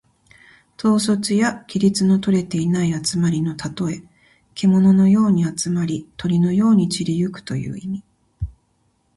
統率や規律のとれていない集まりのたとえ。けもののように集まり、鳥のように散り行くという意味。